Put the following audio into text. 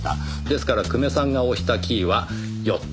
ですから久米さんが押したキーは４つ。